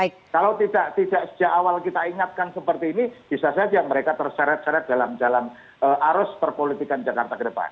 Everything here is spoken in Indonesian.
kalau tidak sejak awal kita ingatkan seperti ini bisa saja mereka terseret seret dalam arus perpolitikan jakarta ke depan